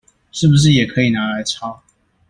是不是也可以拿來抄